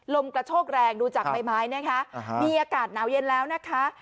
ลมกระโชกแรงดูจากใบไม้นะคะมีอากาศหนาวเย็นแล้วนะคะ